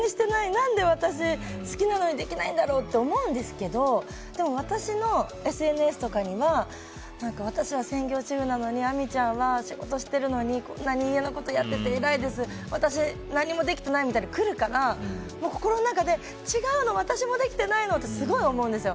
何で私、好きなのにできないんだろうって思うんですけどでも私のＳＮＳとかには私は専業主婦なのに亜美ちゃんは仕事してるのにこんなに家のことやっててえらいです、私何もできてないみたいに来るから心の中で違うの、私もできてないのってすごい思うんですよ。